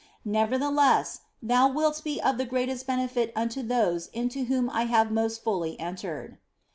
Nevertheless, thou wilt be of the greatest benefit unto those into whom I have most fully entered."